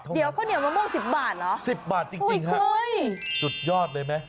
เดี๋ยวข้าวเหนียวมะม่วง๑๐บาทเหรอ๑๐บาทจริงฮะสุดยอดเลยไหม